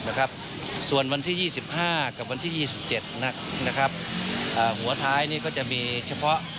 หัวท้ายนี่ก็จะมีเฉพาะ